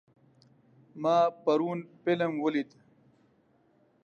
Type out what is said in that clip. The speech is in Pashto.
ما پرون فلم ولید.